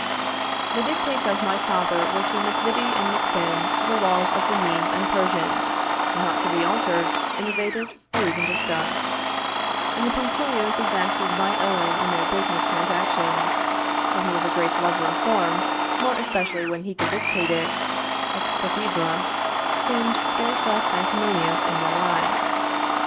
The dictates of my father were to MacVittie and MacFin the laws of the Medes and Persians, not to be altered, innovated, or even discussed; and the punctilios exacted by Owen in their business transactions, for he was a great lover of form, more especially when he could dictate it ex cathedra, seemed scarce less sanctimonious in their eyes.